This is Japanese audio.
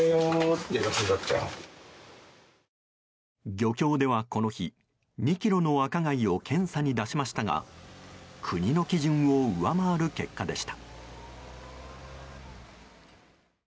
漁協ではこの日２ｋｇのアカガイを検査に出しましたが国の基準を上回る結果でした。